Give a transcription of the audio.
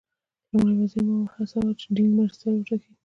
لومړي وزیر ماوو وهڅاوه چې دینګ مرستیال وټاکي.